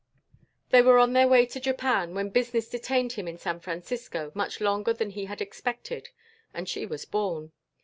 They were on their way to Japan when business detained him in San Francisco much longer than he had expected and she was born.